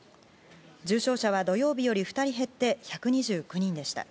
重症者は土曜日より２人減って１２９人でした。